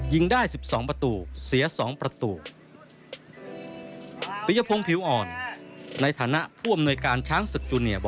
ยิงได้สิบสองประตูเสียสองประตูปิยพงศ์ผิวอ่อนในฐานะผู้อำนวยการช้างศึกจูเนียม